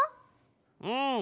うん。